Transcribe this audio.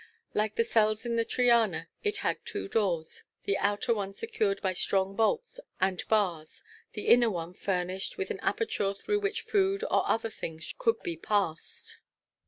Like the cells in the Triana, it had two doors the outer one secured by strong bolts and bars, the inner one furnished with an aperture through which food or other things could be passed.